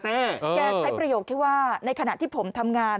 แกใช้ประโยคที่ว่าในขณะที่ผมทำงาน